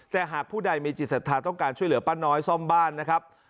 แต่หากผู้ใดมีจิตศรัทธาต้องการช่วยเหลือป้าน้อยซ่อมบ้านนะครับ